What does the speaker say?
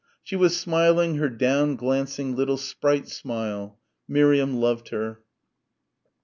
She was smiling her down glancing, little sprite smile. Miriam loved her....